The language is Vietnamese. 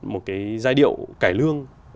một cái giai điệu cải lương